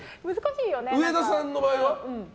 上田さんの場合は？